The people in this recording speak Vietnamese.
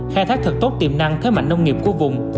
khai thác thật tốt tiềm năng thế mạnh nông nghiệp của vùng